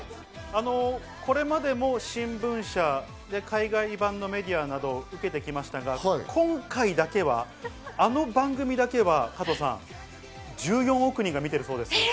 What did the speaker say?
これまでも新聞社、海外版のメディアなど受けてきましたが、今回だけはあの番組だけは１４億人が見ているそうです。